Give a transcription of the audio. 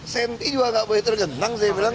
satu cm juga gak boleh tergenang saya bilang